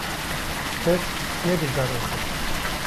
Pir ne bi zarokan